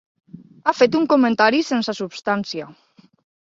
Ha fet un comentari sense substància.